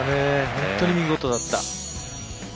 本当に見事だった。